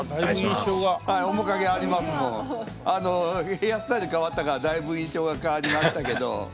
ヘアスタイル変わったからだいぶ印象が変わりましたけど。